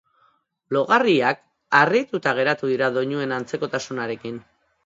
Blogariak harrituta geratu dira doinuen antzekotasunarekin.